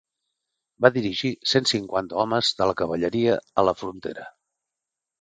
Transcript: Va dirigir cent cinquanta homes de la cavalleria a la frontera.